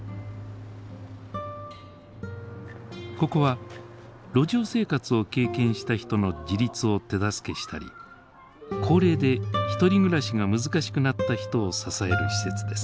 ここは路上生活を経験した人の自立を手助けしたり高齢で一人暮らしが難しくなった人を支える施設です。